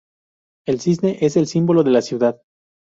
El cisne es el símbolo de la ciudad.